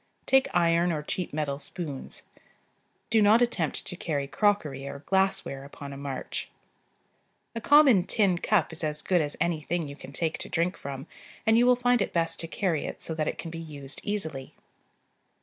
Take iron or cheap metal spoons. Do not attempt to carry crockery or glassware upon a march. A common tin cup is as good as any thing you can take to drink from; and you will find it best to carry it so that it can be used easily.